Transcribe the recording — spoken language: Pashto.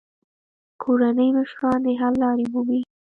کورني مشران د حل لارې مومي.